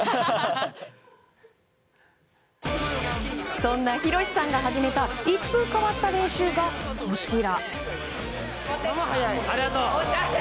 そんな洋さんが始めた一風変わった練習が、こちら。